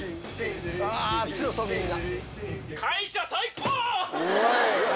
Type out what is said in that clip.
強そうみんな。